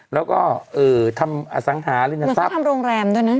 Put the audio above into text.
แล้วก็ทำอสังหารินทรัพย์ทำโรงแรมด้วยนะ